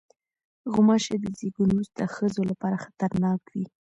غوماشې د زیږون وروسته ښځو لپاره خطرناک وي.